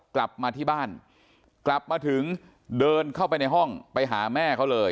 กลับมาที่บ้านกลับมาถึงเดินเข้าไปในห้องไปหาแม่เขาเลย